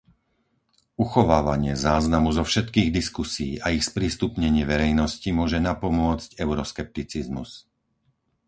Uchovávanie záznamu zo všetkých diskusií a ich sprístupnenie verejnosti môže napomôcť euroskepticizmus.